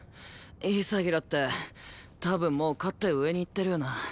潔らって多分もう勝って上に行ってるよな？